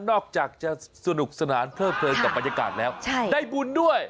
นอกจากจะสนุกสนานเพิ่มเติมกับบรรยากาศแล้วได้บุญด้วย